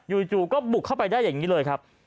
อยู่ก็บุกเข้าไปได้อย่างนี้เลยครับ